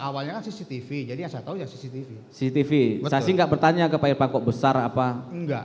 awalnya cctv jadi yang saya tahu cctv cctv saksi enggak bertanya ke pak irfan kok besar apa enggak